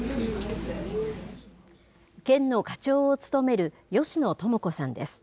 県の課長を務める吉野知子さんです。